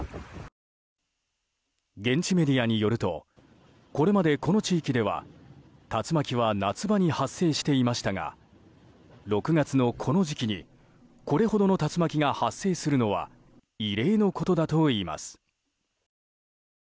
現地メディアによるとこれまでこの地域では竜巻は夏場に発生していましたが６月のこの時期にこれほどの竜巻が発生するのは異例のことだといいます。